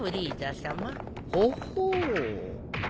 ほほう。